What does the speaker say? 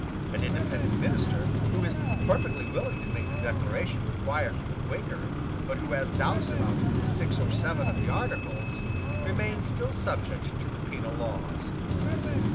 An Independent minister, who is perfectly willing to make the declaration required from the Quaker, but who has doubts about six or seven of the Articles, remains still subject to the penal laws.